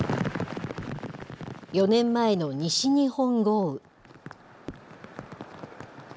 ４年前の西日本豪雨。